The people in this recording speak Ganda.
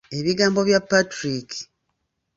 Ebigambo bya Patrick.